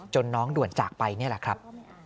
น้องด่วนจากไปนี่แหละครับ